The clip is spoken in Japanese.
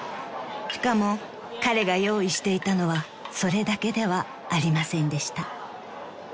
［しかも彼が用意していたのはそれだけではありませんでした］